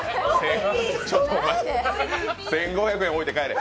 １５００円置いて帰れ！